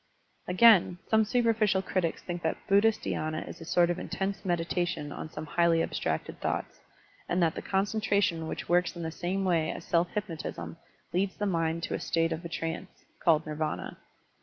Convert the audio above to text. Again, some superficial critics think that Buddhist dhySna is a sort of intense meditation on some highly abstracted thoughts, and that the concentration which works in the same way as self hypnotism leads the mind to the state of a trance, called Nirvana.